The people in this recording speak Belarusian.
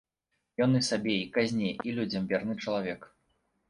Ён і сабе, і казне, і людзям верны чалавек.